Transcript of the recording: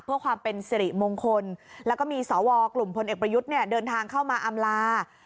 เพื่อความเป็นสิริมงคลแล้วก็มีสวกลุ่มพลเอกประยุทธ์เนี่ยเดินทางเข้ามาอำลา